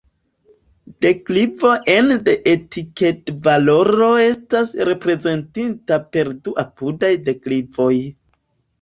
Deklivo ene de etikedvaloro estas reprezentita per du apudaj deklivoj.